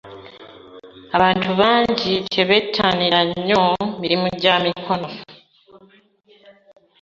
Abantu bangi tebettanira nnyo mirimu gyamikono.